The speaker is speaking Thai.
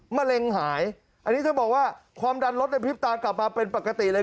มะเร็งหายอันนี้เธอบอกว่าความดันรถในพริบตากลับมาเป็นปกติเลย